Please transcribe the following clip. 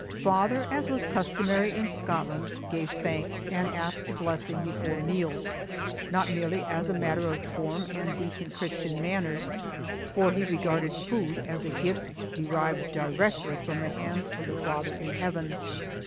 Father, as was customary in Scotland, gave thanks and asked a blessing before meals, not merely as a matter of form and decent Christian manners, for he regarded food as a gift derived directly from the hands of the Father in heaven.